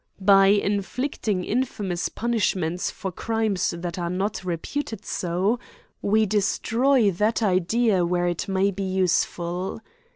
By inflicting infamous punishments for crimes that are not reputed so, we destroy that idea where it may be useful.